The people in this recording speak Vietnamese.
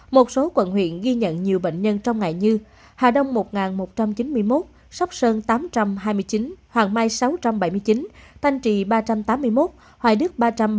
một số quận huyện ghi nhận nhiều bệnh nhân trong ngày như hà đông một một trăm chín mươi một sóc sơn tám trăm hai mươi chín hoàng mai sáu trăm bảy mươi chín thanh trì ba trăm tám mươi một hoài đức ba trăm ba mươi